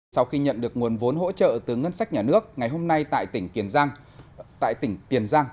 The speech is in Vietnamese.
sau khi nhận được nguồn vốn hỗ trợ từ ngân sách nhà nước ngày hôm nay tại tỉnh tiền giang